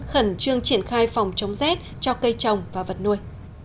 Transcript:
khẩn trương triển khai phòng chống rét cho cây trồng và vật nuôi